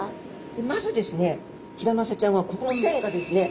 まずですねヒラマサちゃんはここの線がですね